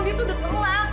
dia tuh udah telat